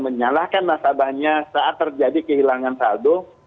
menyalahkan nasabahnya saat terjadi kehilangan saldo